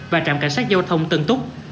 và trạm cảnh sát giao thông tân túc